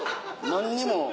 何にも。